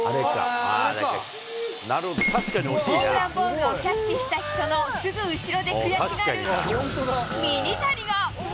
ホームランボールをキャッチした人のすぐ後ろで悔しがるミニタニが。